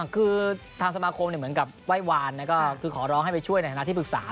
คือทางสมาคมเหมือนกับไหว้วานก็คือขอร้องให้ไปช่วยในฐานะที่ปรึกษา